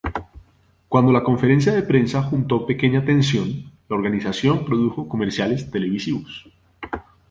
Cuando la conferencia de prensa junto pequeña atención, la organización produjo comerciales televisivos.